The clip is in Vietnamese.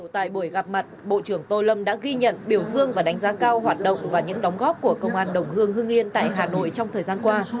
tại buổi gặp mặt bộ trưởng tô lâm đã ghi nhận biểu dương và đánh giá cao hoạt động và những đóng góp của công an đồng hương hương yên tại hà nội trong thời gian qua